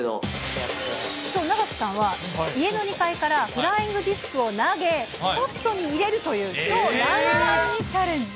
そう、永瀬さんは家の２階からフライングディスクを投げ、ポストに入れるという、うわー！